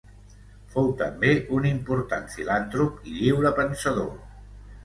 Fou també un important filantrop i lliurepensador.